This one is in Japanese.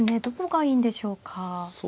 どこがいいんでしょうか。